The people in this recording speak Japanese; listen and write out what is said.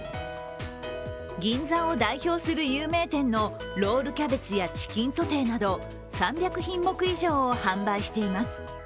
銀座を代表する有名店のロールキャベツやチキンソテーなど３００品目以上を販売しています。